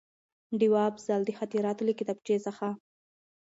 ډېوه افضل: د خاطراتو له کتابچې څخه